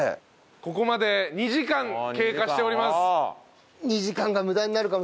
ここまで２時間経過しております。